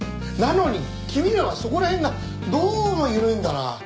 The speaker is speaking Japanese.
なのに君らはそこら辺がどうも緩いんだな。